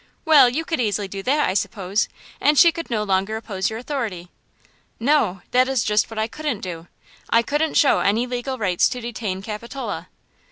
"Well, you could easily do that, I suppose, and she could no longer oppose your authority." "No; that is just what I couldn't do; I couldn't show any legal rights to detain Capitola."